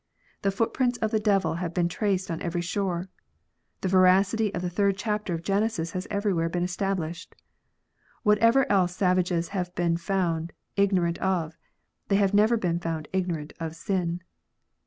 The footprints of the devil have been traced on every shore. The veracity of the third chapter of Genesis has everywhere been established. Whatever else savages have been found ignorant of, they have never been found ignorant of sin.